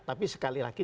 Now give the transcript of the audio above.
tapi sekali lagi